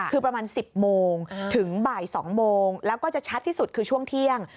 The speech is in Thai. คือประมาณ๑๐โมงถึงบ่าย๒โมงแล้วก็จะชัดที่สุดคือช่วงเที่ยง